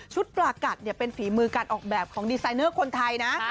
ปลากัดเป็นฝีมือการออกแบบของดีไซเนอร์คนไทยนะ